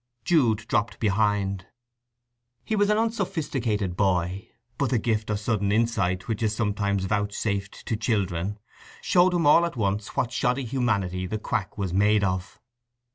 Jude dropped behind. He was an unsophisticated boy, but the gift of sudden insight which is sometimes vouchsafed to children showed him all at once what shoddy humanity the quack was made of.